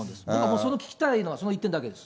その聞きたいのはその一点だけです。